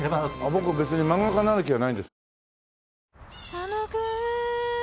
僕漫画家になる気はないんです。